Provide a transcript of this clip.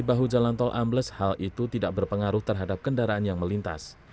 di bahu jalan tol ambles hal itu tidak berpengaruh terhadap kendaraan yang melintas